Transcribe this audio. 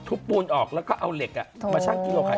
ปูนออกแล้วก็เอาเหล็กมาชั่งกิโลขาย